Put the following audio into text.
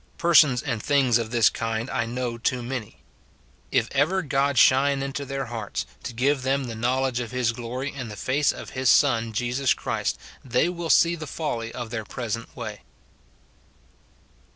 Persons and things of this kind I know too many. If ever God shine into their hearts, to give them the knowledge of his glory in the face of his Son Jesus Christ, they will see the folly of their present way.